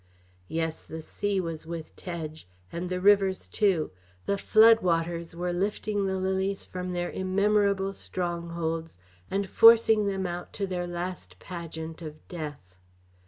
Yes, the sea was with Tedge, and the rivers, too; the flood waters were lifting the lilies from their immemorable strongholds and forcing them out to their last pageant of death.